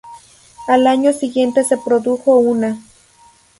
Al año siguiente se produjo una.